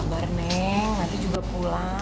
sabar neng nanti juga pulang